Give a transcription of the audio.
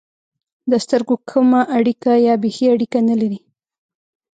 د سترګو کمه اړیکه یا بېخي اړیکه نه لري.